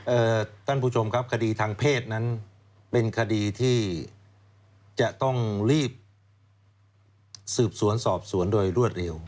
ท่านผู้ชมครับคดีทางเพศนั้นเป็นคดีที่จะต้องรีบสืบสวนสอบสวนโดยรวดเร็ว